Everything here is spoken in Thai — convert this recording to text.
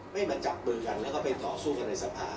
ไม่มาจับมือกันแล้วก็ไปต่อสู้กันในสภา